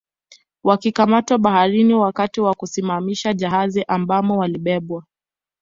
Wakikamatwa baharini wakati wa kusimamisha jahazi ambamo walibebwa